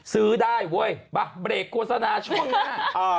ซื้อได้เว้ยมาเบรกโฆษณาช่วงหน้า